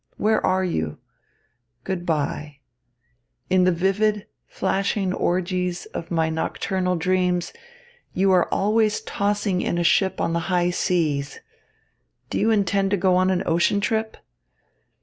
Where are you? Good bye. In the vivid, flashing orgies of my nocturnal dreams, you are always tossing in a ship on the high seas. Do you intend to go on an ocean trip?